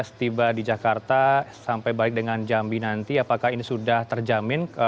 setiba di jakarta sampai balik dengan jambi nanti apakah ini sudah terjamin